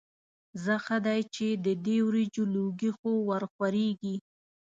ځه ښه دی چې د دې وریجو لوګي خو ورخوريږي.